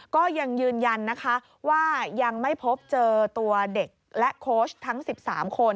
ก็ยังยืนยันนะคะว่ายังไม่พบเจอตัวเด็กและโค้ชทั้ง๑๓คน